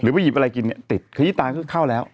หรือว่าหยิบอะไรกินเนี่ยติดขยี้ตาเข้าแล้ว